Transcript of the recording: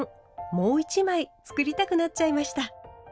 もう１枚作りたくなっちゃいました。